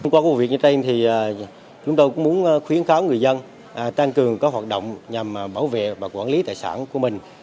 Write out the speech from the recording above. qua vụ việc như trên thì chúng tôi cũng muốn khuyến kháo người dân tăng cường các hoạt động nhằm bảo vệ và quản lý tài sản của mình